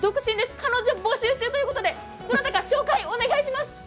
彼女募集中ということでどなたか紹介お願いします。